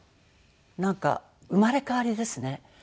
なんか生まれ変わりですね。